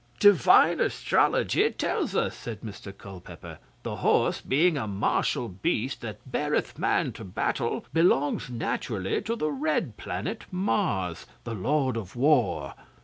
'Divine Astrology tells us,' said Mr Culpeper. 'The horse, being a martial beast that beareth man to battle, belongs naturally to the red planet Mars the Lord of War.